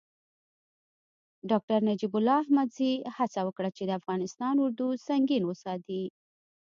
ډاکتر نجیب الله احمدزي هڅه وکړه چې د افغانستان اردو سنګین وساتي.